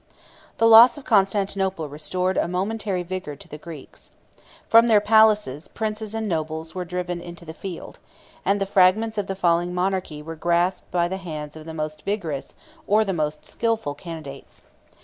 The loss of Constantinople restored a momentary vigor to the Greeks. From their palaces, the princes and nobles were driven into the field; and the fragments of the falling monarchy were grasped by the hands of the most vigorous or the most skilful candidates.